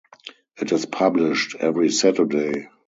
It is published every Saturday.